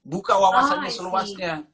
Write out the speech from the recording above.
buka wawasannya seluasnya